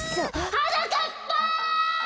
・はなかっぱ！